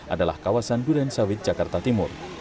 adalah kawasan duriansawit jakarta timur